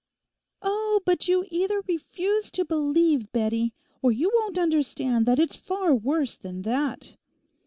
'Oh, but you either refuse to believe, Bettie, or you won't understand that it's far worse than that.